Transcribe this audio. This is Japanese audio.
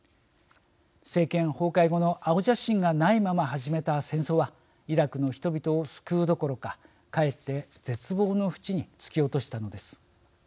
政権崩壊後の青写真がないまま始めた戦争はイラクの人々を救うどころかかえって絶望のふちに突き落としたのです。